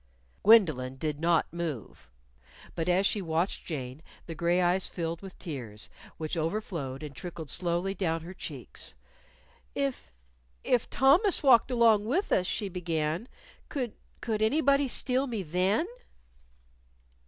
Gwendolyn did not move. But as she watched Jane the gray eyes filled with tears, which overflowed and trickled slowly down her cheeks. "If if Thomas walked along with us," she began, "could could anybody steal me then?"